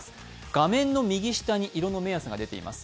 画面の右下に色の目安が出ています。